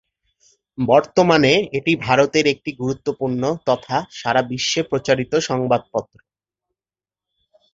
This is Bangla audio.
বর্তমানে এটি ভারতের একটি গুরুত্বপূর্ণ তথা সারা বিশ্বে প্রচারিত সংবাদপত্র।